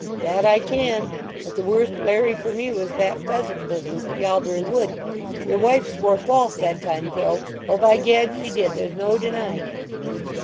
"That I can. But the worst larry for me was that pheasant business at Yalbury Wood. Your wife swore false that time, Joe—O, by Gad, she did—there's no denying it."